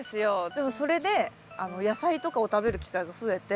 でもそれで野菜とかを食べる機会が増えて。